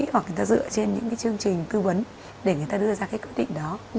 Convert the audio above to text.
hoặc người ta dựa trên những cái chương trình tư vấn để người ta đưa ra cái quyết định đó